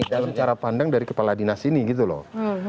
dalam cara pandang dari kepala dinas ini gitu loh